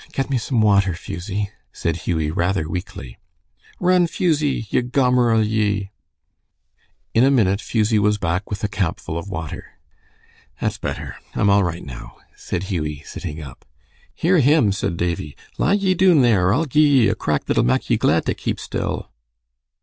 "Get me some water, Fusie," said Hughie, rather weakly. "Run, Fusie, ye gomeril, ye!" In a minute Fusie was back with a capful of water. "That's better. I'm all right now," said Hughie, sitting up. "Hear him!" said Davie. "Lie ye doon there, or I'll gie ye a crack that'll mak ye glad tae keep still."